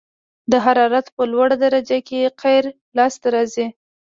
د حرارت په لوړه درجه کې قیر لاسته راځي